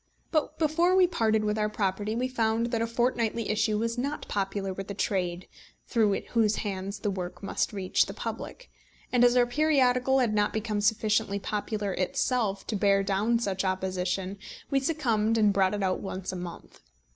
But before we parted with our property we found that a fortnightly issue was not popular with the trade through whose hands the work must reach the public; and, as our periodical had not become sufficiently popular itself to bear down such opposition, we succumbed, and brought it out once a month.